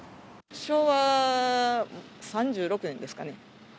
昭和３６年ですかね。